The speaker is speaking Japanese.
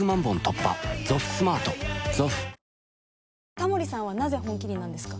タモリさんはなぜ「本麒麟」なんですか？